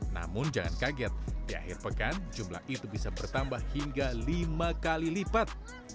namun jangan kaget di akhir pekan jumlah itu bisa bertambah hingga lima kali lipat